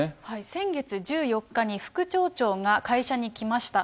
先月１４日に副町長が会社に来ました。